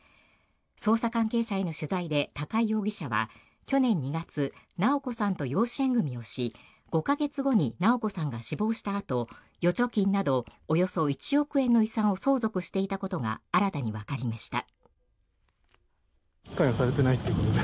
捜査関係者への取材で高井容疑者は去年２月直子さんと養子縁組をし５か月後に直子さんが死亡したあと預貯金などおよそ１億円の遺産を相続していたことが新たにわかりました。